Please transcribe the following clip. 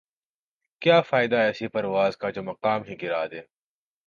کیا فائدہ ایسی پرواز کا جومقام ہی گِرادے